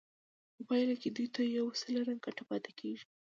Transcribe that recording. په پایله کې دوی ته یو سلنه ګټه پاتې کېږي